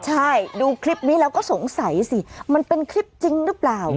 ใช่ดูคลิปนี้แล้วก็สงสัยสิมันเป็นคลิปจริงหรือเปล่า